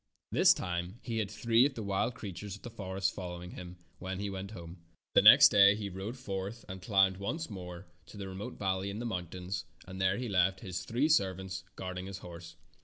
This time he had three of the wild creatures of the forest following him when he went home. The next day he rode forth and climbed once more to the remote valley in the moun tains, and there he left his three servants guarding his horse.